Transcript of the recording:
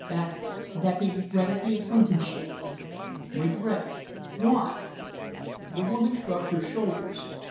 "That that he regretted the acquaintanceship." "Regretted? Why?" The woman shrugged her shoulders.